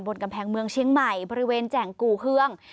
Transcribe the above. กำแพงเมืองเชียงใหม่บริเวณแจ่งกู่เครื่อง